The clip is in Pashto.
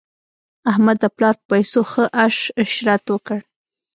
احمد د پلا په پیسو ښه عش عشرت وکړ.